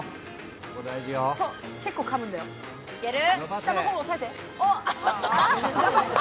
いける？